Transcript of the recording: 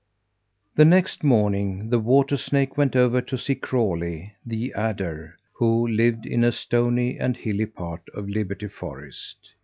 The next morning the water snake went over to see Crawlie, the adder, who lived in a stony and hilly part of Liberty Forest.